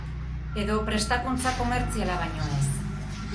Edo prestakuntza komertziala baino ez?